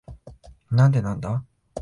なんでなんだ？